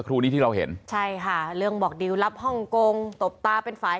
ครูนี้ที่เราเห็นใช่ค่ะเรื่องบอกดิวรับฮ่องกงตบตาเป็นฝ่าย